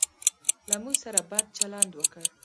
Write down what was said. له موږ سره بد چلند وکړ.